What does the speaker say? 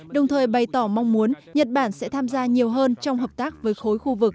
đồng thời bày tỏ mong muốn nhật bản sẽ tham gia nhiều hơn trong hợp tác với khối khu vực